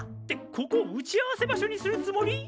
ここを打ち合わせ場所にするつもり！？